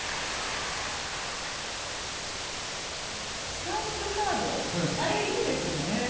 スタンプカードあれいいですよね。